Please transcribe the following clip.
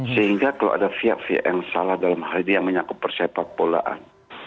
sehingga kalau ada pihak pihak yang salah dalam hal ini yang menyangkut persepak bolaan